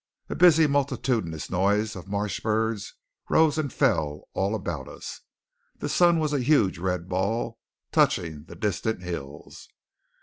A busy multitudinous noise of marsh birds rose and fell all about us. The sun was a huge red ball touching the distant hills.